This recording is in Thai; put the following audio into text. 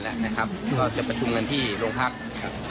และจะประชุมกันที่โรงพักล์